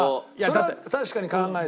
それは確かに考えてる。